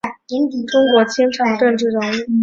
中国清朝政治人物。